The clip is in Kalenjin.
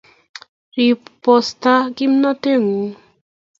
Ribota kimnateng'ung'